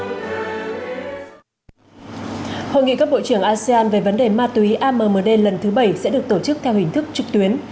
hội nghị các bộ trưởng asean về vấn đề ma túy ammd lần thứ bảy sẽ được tổ chức theo hình thức trực tuyến